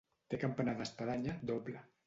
Té campanar d'espadanya doble.